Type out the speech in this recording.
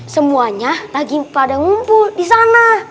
semuanya lagi pada ngumpul di sana